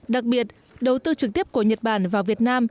đặc biệt đầu tư trực tiếp của nhật bản vào việt nam